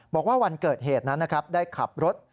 บอกว่าวันเกิดเหตุนั้นนะครับได้ขับรถ